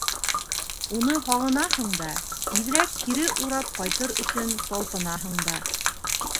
Уны һағынаһың да, тиҙерәк кире урап ҡайтыр өсөн талпынаһың да.